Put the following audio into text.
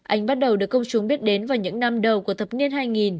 anh bắt đầu được công chúng biết đến vào những năm đầu của thập niên hai nghìn